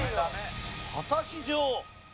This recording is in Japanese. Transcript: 「果たし状」。